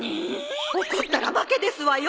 怒ったら負けですわよ！